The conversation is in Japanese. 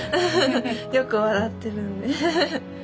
よく笑ってるんで。